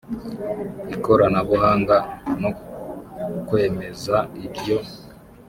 ikoranabuhanga no kwemeza iryo